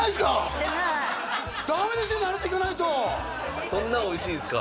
行ってないダメですよなると行かないとそんなおいしいんすか？